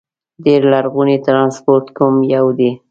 ډېر لرغونی ترانسپورت کوم یو دي؟